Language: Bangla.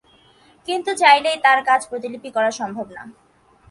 কিন্তু চাইলেই তার কাজ প্রতিলিপি করা সম্ভব না।